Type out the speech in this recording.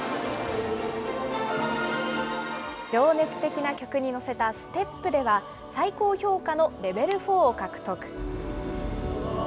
情熱的な曲に乗せたステップでは、最高評価のレベルフォーを獲得。